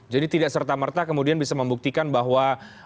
jadi tidak serta merta kemudian bisa membuktikan bahwa